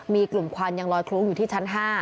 มีกลุ่มควันยังลอยคลุ้งอยู่ที่ชั้น๕